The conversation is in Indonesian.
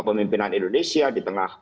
pimpinan indonesia di tengah